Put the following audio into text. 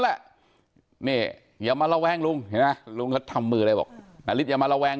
แหละนี่อย่ามาระแวงลุงเห็นไหมลุงเขาทำมือเลยบอกนาริสอย่ามาระแวง